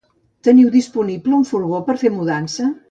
Teniu disponible una furgo per fer mudança?